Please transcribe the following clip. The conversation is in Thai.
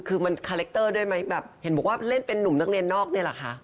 คือมันคาแรคเตอร์ด้วยไหมแบบเห็นบอกว่าเล่นเป็นนุ่มนักเรียนนอกเนี่ยเหรอคะ